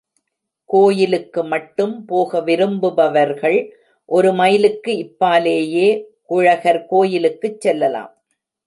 கோயிலுக்கு மட்டும் போக விரும்புபவர்கள் ஒரு மைலுக்கு இப்பாலேயே குழகர் கோயிலுக்குச் செல்லலாம்.